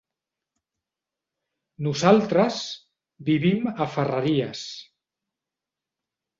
Nosaltres vivim a Ferreries.